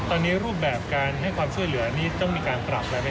ตอนนี้รูปแบบการให้ความช่วยเหลือนี่ต้องมีการปรับอะไรไหม